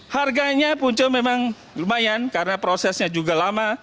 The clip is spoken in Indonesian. harganya punca memang lumayan karena prosesnya juga lama